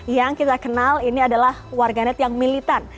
yang kita kenal ini adalah warganet yang militan